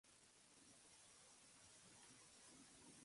Se estima que la cultura de Poverty Point haya alcanzado su apogeo ca.